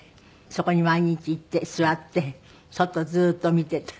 そこに毎日行って座って外ずっと見てて。